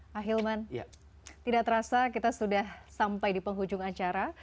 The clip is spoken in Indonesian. pak hilman tidak terasa kita sudah sampai di penghujung acara